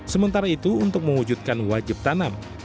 sementara itu untuk mewujudkan wajib tanam